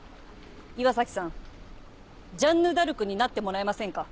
岩崎さんジャンヌ・ダルクになってもらえませんか？